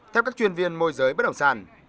theo các chuyên viên môi giới bất đồng sản